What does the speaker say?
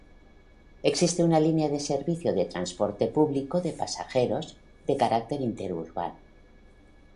Existe una línea de servicio de transporte público de pasajeros, de carácter interurbano.